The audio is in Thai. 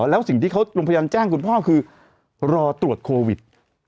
แล้วสิ่งที่เขาโรงพยาบาลแจ้งคุณพ่อคือรอตรวจโควิด